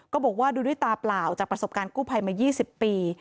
บอกว่าดูด้วยตาเปล่าจากประสบการณ์กู้ภัยมา๒๐ปี